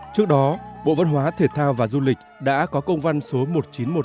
trước đó bộ văn hóa thể thao và du lịch đã có công văn số một nghìn chín trăm một mươi năm